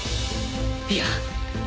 いや！